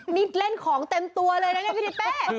นี่เล่นของเต็มตัวเลยนะเนี่ยพี่ทิเป้